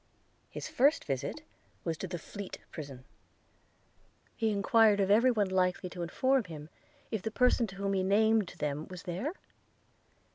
His first visit was to the Fleet prison – He enquired of every one likely to inform him, if the person whom he named to them was there?